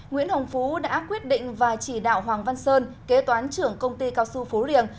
nguyễn hồng phú đã quyết định và chỉ đạo hoàng văn sơn kế toán trưởng công ty cao su phú riêng